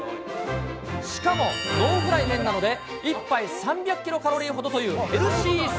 しかもノンフライ麺なので、１杯３００キロカロリーほどというヘルシーさ。